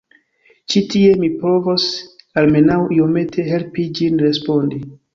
Ĉi tie mi provos almenaŭ iomete helpi ĝin respondi.